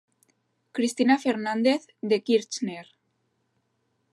Cristina Fernández de Kirchner.